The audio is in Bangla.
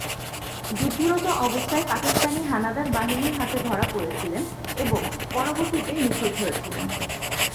যুদ্ধরত অবস্থায় পাকিস্তানি হানাদার বাহিনীর হাতে ধরা পরেছিলেন এবং পরবর্তীতে নিখোঁজ হয়েছিলেন।